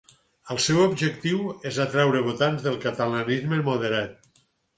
El seu objectiu és atreure votants del catalanisme moderat.